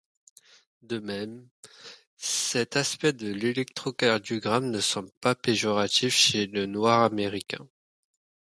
De même, cet aspect de l'électrocardiogramme ne semble pas péjoratif chez le Noir américain.